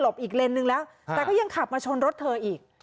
หลบอีกเลนซ์หนึ่งแล้วแต่เขายังขับมาชนรถเธออีก